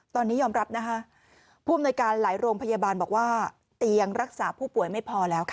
ตอนนี้ยอมรับนะคะผู้อำนวยการหลายโรงพยาบาลบอกว่าเตียงรักษาผู้ป่วยไม่พอแล้วค่ะ